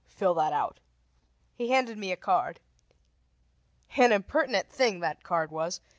"Fill that out." He handed me a card. An impertinent thing, that card was.